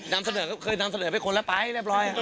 นำเสนอก็เคยนำเสนอไปคนแล้วไปเรียบร้อย